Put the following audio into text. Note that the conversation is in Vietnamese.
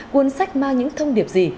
cuốn sách mang những thông điệp gì